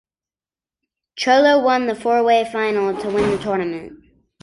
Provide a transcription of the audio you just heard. Cholo won the four-way final to win the tournament.